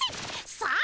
さあ！